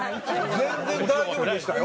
全然大丈夫でしたよ